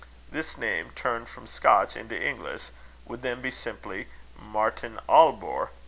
This name, turned from Scotch into English, would then be simply Martin Awlbore.